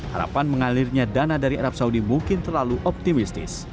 harapan mengalirnya dana dari arab saudi mungkin terlalu optimistis